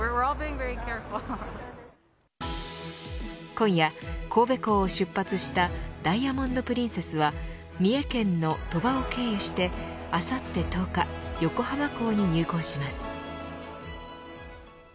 今夜、神戸港を出発したダイヤモンド・プリンセスは三重県の鳥羽を経由してあさって１０日横浜港に入港します。